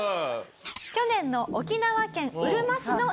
去年の沖縄県うるま市の成人式。